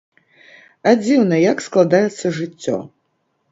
А дзіўна як складаецца жыццё!